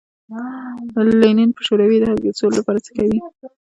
لینین په شوروي اتحاد کې د سولې لپاره څه کوي.